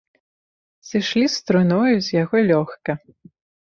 Сышлі з труною з яго лёгка.